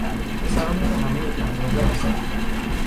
پسرانی که همه یک اندازه هستند